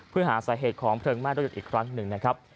เพื่อหาสาเหตุของเพลิงไหม้รถยนต์อีกครั้งหนึ่งนะครับ